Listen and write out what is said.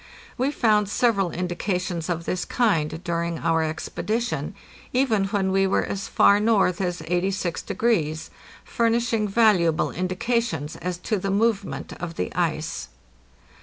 We found sev eral indications of this kind during our expedition, even when we were as far north as 86°, furnishing valuable indications as to the movement of the ice.